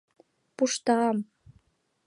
— Пушта-а-ам!..